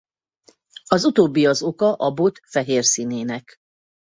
Az utóbbi az oka a bot fehér színének.